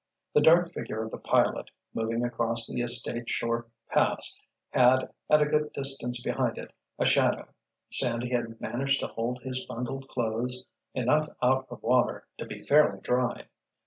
The dark figure of the pilot, moving across the estate shore paths had, at a good distance behind it, a shadow. Sandy had managed to hold his bundled clothes enough out of water to be fairly dry.